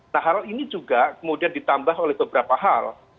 nah hal ini juga kemudian ditambah oleh beberapa hal